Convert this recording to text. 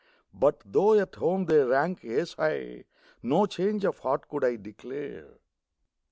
But though at home they rank ace high, No change of heart could I declare.